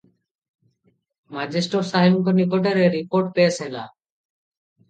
ମେଜେଷ୍ଟର ସାହେବଙ୍କ ନିକଟରେ ରିପୋର୍ଟ ପେଶ ହେଲା ।